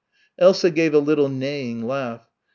Elsa gave a little neighing laugh.